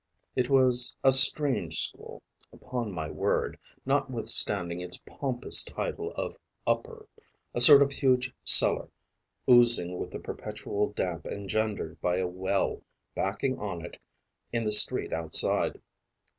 It was a strange school, upon my word, notwithstanding its pompous title of 'upper'; a sort of huge cellar oozing with the perpetual damp engendered by a well backing on it in the street outside.